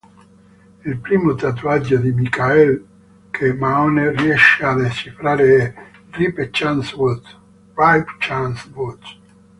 Il primo tatuaggio di Michael che Mahone riesce a decifrare è "Ripe Chance Woods".